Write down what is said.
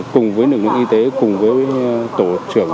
cùng với lực lượng y tế cùng với tổ trưởng